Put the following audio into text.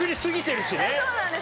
そうなんです。